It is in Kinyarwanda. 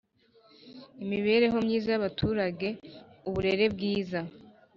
Imibereho myiza y abaturage Uburere bwiza